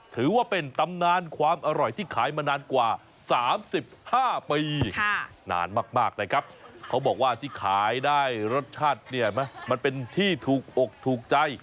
ถือว่าเป็นตำนานความอร่อยที่ขายมานานกว่า๓๕ปีนานมากนะครับเขาบอกว่าที่ขายได้รสชาติเนี่ยนะมันเป็นที่ถูกอกถูกใจ